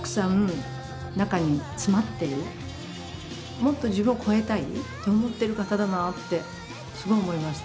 もっと自分を超えたいと思ってる方だなってすごい思いました。